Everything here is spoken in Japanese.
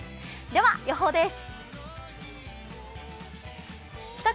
では予報です。